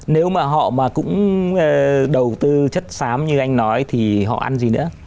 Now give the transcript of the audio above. nếu mà họ mà cũng đầu tư chất xám như anh nói thì họ ăn gì nữa